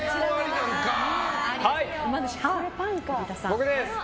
僕です。